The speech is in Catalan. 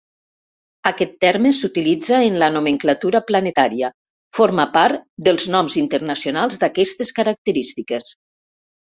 Aquest terme s'utilitza en la nomenclatura planetària: forma part dels noms internacionals d'aquestes característiques.